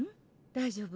大丈夫？